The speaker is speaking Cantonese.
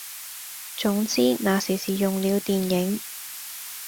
總之那時是用了電影，